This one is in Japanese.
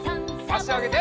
あしあげて。